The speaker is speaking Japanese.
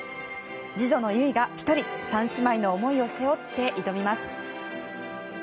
次女の唯が１人、３姉妹の思いを背負って挑みます。